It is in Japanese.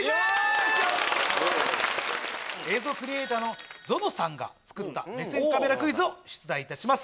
映像クリエーターの「ぞのさんっ」が作った目線カメラクイズを出題いたします。